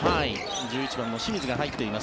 １１番の清水が入っています。